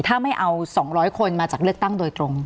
ถ้าไม่เอา๒๐๐คนมาจากเลือกตั้งโดยตรง